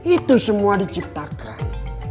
itu semua diciptakan